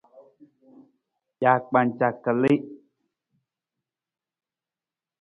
Jaakpanca kalii.